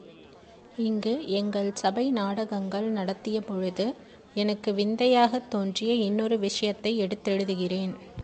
இங்கு எங்கள் சபை நாடகங்கள் நடத்தியபொழுது எனக்கு விந்தையாகத் தோன்றிய இன்னொரு விஷயத்தை எடுத்தெழுதுகிறேன்.